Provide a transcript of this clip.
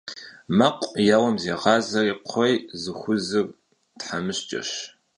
Mekhu yêuem zêğazeri kxhuêy zıxuzır themışç'eş.